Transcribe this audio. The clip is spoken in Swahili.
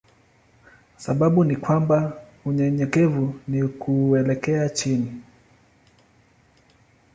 Sababu ni kwamba unyenyekevu ni kuelekea chini.